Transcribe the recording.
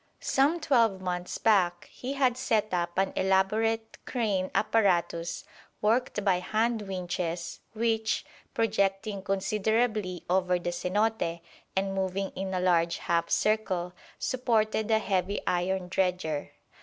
Some twelve months back he had set up an elaborate crane apparatus worked by hand winches which, projecting considerably over the cenote, and moving in a large half circle, supported a heavy iron dredger.